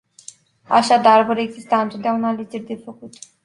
Așadar vor exista întotdeauna alegeri de făcut.